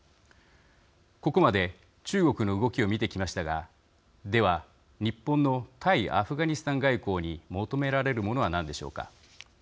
ここまで、中国の動きを見てきましたが、では日本の対アフガニスタン外交に求められるものは何でしょうか。